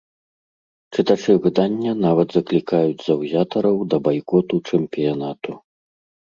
Чытачы выдання нават заклікаюць заўзятараў да байкоту чэмпіянату.